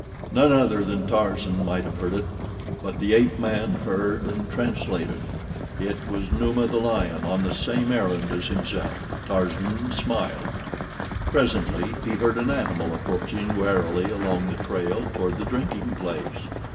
None other than Tarzan might have heard it, but the ape man heard and translated—it was Numa, the lion, on the same errand as himself. Tarzan smiled. Presently he heard an animal approaching warily along the trail toward the drinking place.